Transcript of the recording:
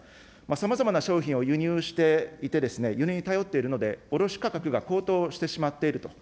さまざまな商品を輸入していてですね、輸入に頼っているので、卸価格が高騰してしまっていると。